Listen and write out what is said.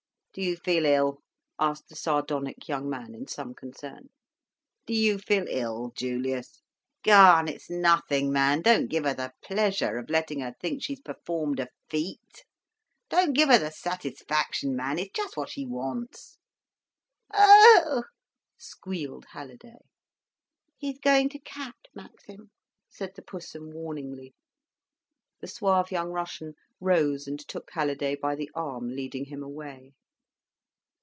"D'you feel ill?" asked the sardonic young man, in some concern. "Do you feel ill, Julius? Garn, it's nothing, man, don't give her the pleasure of letting her think she's performed a feat—don't give her the satisfaction, man—it's just what she wants." "Oh!" squealed Halliday. "He's going to cat, Maxim," said the Pussum warningly. The suave young Russian rose and took Halliday by the arm, leading him away.